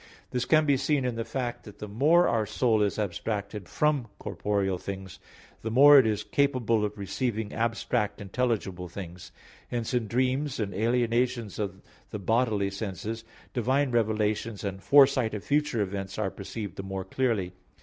This can be seen in the fact that the more our soul is abstracted from corporeal things, the more it is capable of receiving abstract intelligible things. Hence in dreams and alienations of the bodily senses divine revelations and foresight of future events are perceived the more clearly.